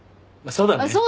そうだよね。